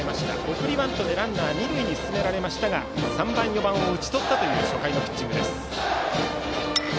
送りバントでランナー二塁に進められましたが３番、４番を打ち取ったという初回のピッチングです。